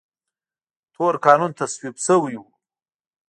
تور قانون تصویب شوی و.